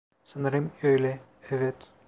Sanırım öyle, evet.